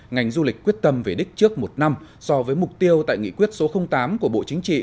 ngành du lịch quyết tâm về đích trước một năm so với mục tiêu tại nghị quyết số tám của bộ chính trị